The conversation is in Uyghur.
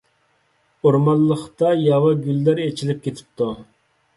ئورمانلىقتا ياۋا گۈللەر ئېچىلىپ كېتىپتۇ.